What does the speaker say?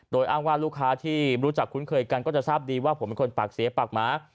โดยอ้างว่าลูกค้าที่รู้จักคุ้นเคยกันก็จะทราบดีว่าผมเป็นคนปากเสียปากหมา